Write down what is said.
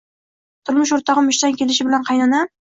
Turmush o`rtog`im ishdan kelishi bilan qaynonam